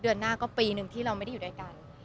เดือนหน้าก็ปีหนึ่งที่เราไม่ได้อยู่ด้วยกัน